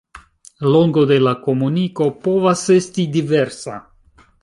Longo de la komuniko povas esti diversa.